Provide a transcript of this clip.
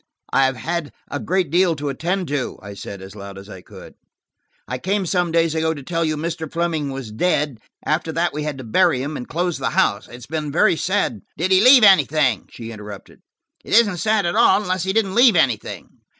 "I have had a great deal to attend to," I said as loud as I could. "I came some days ago to tell you Mr. Fleming was dead; after that we had to bury him, and close the house. It's been a very sad–" "Did he leave anything?" she interrupted. "It isn't sad at all unless he didn't leave anything."